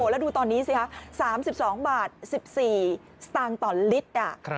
แล้วดูตอนนี้สิคะ๓๒บาท๑๔สตางค์ต่อลิตร